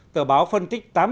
tờ báo phân tích